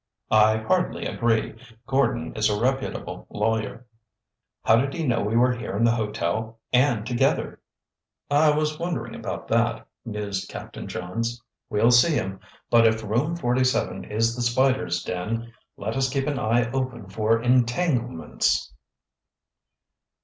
"I hardly agree. Gordon is a reputable lawyer." "How did he know we were here in the hotel and together?" "I was wondering about that," mused Captain Johns. "We'll see him, but if Room 47 is the spider's den, let us keep an eye open for entanglements."